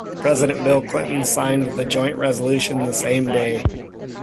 President Bill Clinton signed the joint resolution the same day.